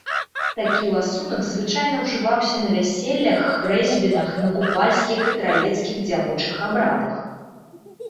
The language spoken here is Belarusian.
Такі ласунак звычайна ўжываўся на вяселлях, хрэсьбінах, на купальскіх і траецкіх дзявочых абрадах.